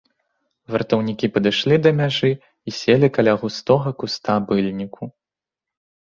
Вартаўнікі падышлі да мяжы і селі каля густога куста быльніку.